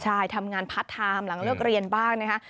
ใช่ทำงานพาร์ทไทม์หลังเลิกเรียนบ้างนะคะ